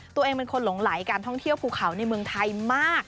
ตัวเองเป็นคนหลงไหลการท่องเที่ยวภูเขาในเมืองไทยมาก